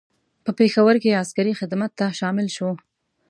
په پېښور کې عسکري خدمت ته شامل شو.